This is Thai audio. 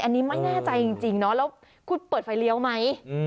อันนี้ไม่แน่ใจจริงเนาะแล้วคุณเปิดไฟเลี้ยวไหม